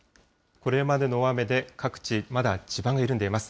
これまでの大雨で、各地、まだ地盤が緩んでいます。